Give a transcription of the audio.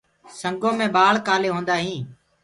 سنگو مي ڀآݪ ڪآلي هوندآ هينٚ؟